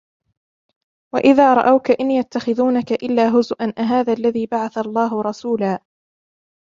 وإذا رأوك إن يتخذونك إلا هزوا أهذا الذي بعث الله رسولا